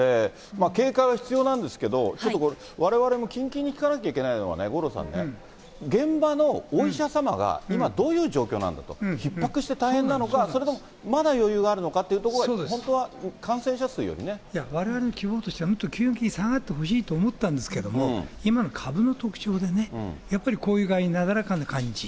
警戒は必要なんですけど、ちょっとこれ、われわれも近々に聞かなきゃいけないのはね、五郎さんね、現場のお医者様が今どういう状況なんだと、ひっ迫して大変なのか、それともまだ余裕があるのかっていうところが、われわれの希望としては、もっと急激に下がってほしいと思ったんですけど、今の株の特徴でね、やっぱりこういう具合になだらかな感じ。